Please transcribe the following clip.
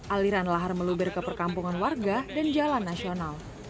aliran lahar meluber ke perkampungan warga dan jalan nasional